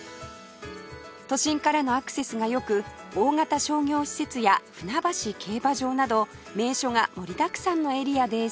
都心からのアクセスが良く大型商業施設や船橋競馬場など名所が盛りだくさんのエリアです